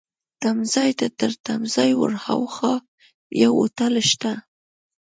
تمځای ته، تر تمځای ورهاخوا یو هوټل شته.